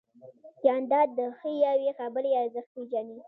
جانداد د ښې یوې خبرې ارزښت پېژني.